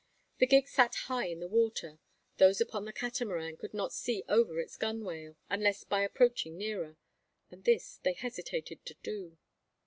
The gig sat high in the water. Those upon the Catamaran could not see over its gunwale unless by approaching nearer, and this they hesitated to do.